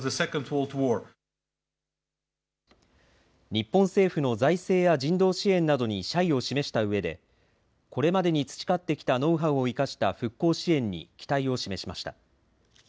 日本政府の財政や人道支援などに謝意を示したうえで、これまでに培ってきたノウハウを生かした復興支援に期待を示しました。